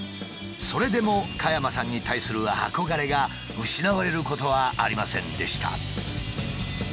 それでも加山さんに対する憧れが失われることはありませんでした。